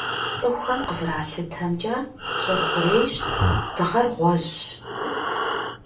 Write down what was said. Цӏыхухэм къызэралъытэмкӏэ, Щӏыр - хъурейщ, Дыгъэр - гъуэжьщ.